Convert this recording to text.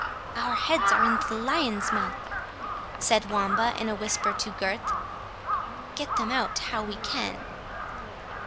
"Our heads are in the lion's mouth," said Wamba, in a whisper to Gurth, "get them out how we can."